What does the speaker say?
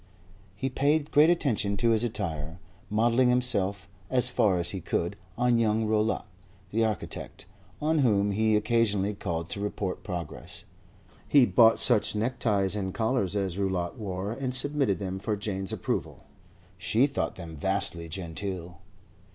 He paid great attention to his attire, modelling himself, as far as he could, on young Rowlatt, the architect, on whom he occasionally called to report progress. He bought such neckties and collars as Rowlatt wore and submitted them for Jane's approval. She thought them vastly genteel.